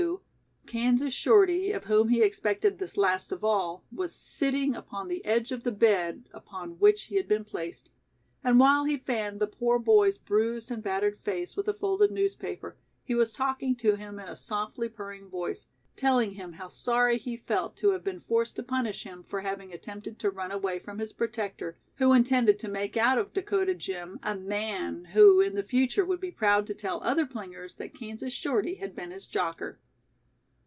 ] When Jim came to, Kansas Shorty, of whom he expected this last of all, was sitting upon the edge of the bed upon which he had been placed, and while he fanned the poor boy's bruised and battered face with a folded newspaper, he was talking to him in a softly purring voice, telling him how sorry he felt to have been forced to punish him for having attempted to run away from his "protector", who intended to make out of "Dakota Jim" a "man" who in the future would be proud to tell other plingers that Kansas Shorty had been his jocker.